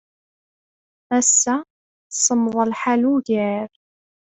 Ass-a, semmeḍ lḥal ugar.